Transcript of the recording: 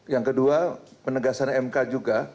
yang kedua penegasan mk juga